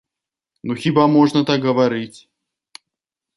Ну хіба можна так гаварыць?!